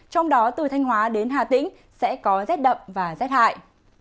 trong đó từ thanh hóa đến hà tĩnh sẽ có rét đậm và rét hại